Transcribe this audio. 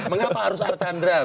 mengapa harus r candra